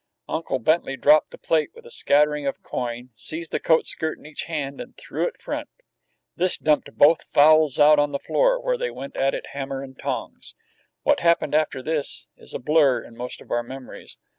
Uncle Bentley dropped the plate with a scattering of coin, seized a coat skirt in each hand, and drew it front. This dumped both fowls out on the floor, where they went at it hammer and tongs. What happened after this is a blur in most of our memories.